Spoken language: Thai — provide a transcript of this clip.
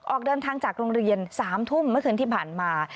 ออกเดินทางจากโรงเรียน๓ทุ่มเมื่อคืนที่ผ่านมา